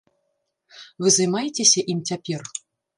Вы займаецеся ім цяпер?